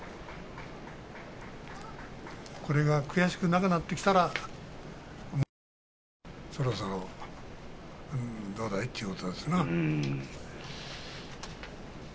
これが悔しくなくなってきたら、そろそろどうだい？ということでしょうな。